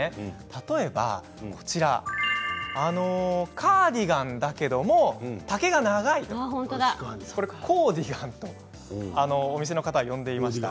例えば、こちらカーディガンだけども丈が長いというこれ、コーディガンとお店の方は呼んでいました。